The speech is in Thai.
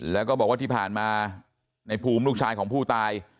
แล้วก็บอกว่าที่ผ่านมาในภูมิลูกชายของผู้ตาย